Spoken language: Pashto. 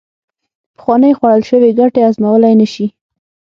پخوانې خوړل شوې ګټې هضمولې نشي